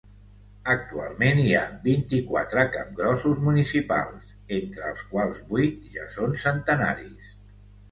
Actualment, hi ha vint-i-quatre capgrossos municipals, entre els quals vuit ja són centenaris.